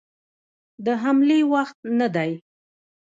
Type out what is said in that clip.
د حملې وخت نه دی.